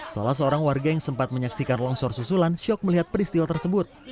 salah seorang warga yang sempat menyaksikan longsor susulan syok melihat peristiwa tersebut